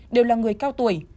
đều là người cao tuổi